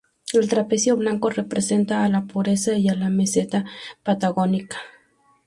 El trapecio blanco representa a la pureza y a la meseta patagónica.